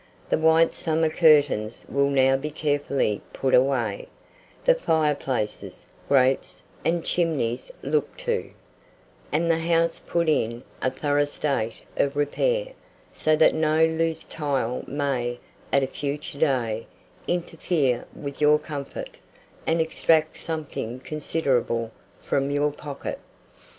The white summer curtains will now be carefully put away, the fireplaces, grates, and chimneys looked to, and the House put in a thorough state of repair, so that no "loose tile" may, at a future day, interfere with your comfort, and extract something considerable from your pocket.